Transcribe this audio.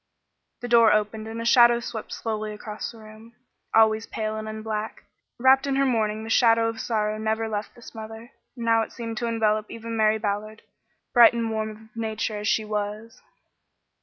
The door opened and a shadow swept slowly across the room. Always pale and in black wrapped in her mourning the shadow of sorrow never left this mother; and now it seemed to envelop even Mary Ballard, bright and warm of nature as she was.